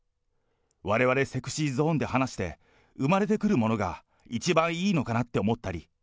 われわれＳｅｘｙＺｏｎｅで話して、生まれてくるものが一番いいのかなって思ったり。